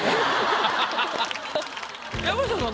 山下さん